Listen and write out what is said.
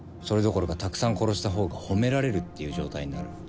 それどころかたくさん殺した方が褒められるっていう状態になる。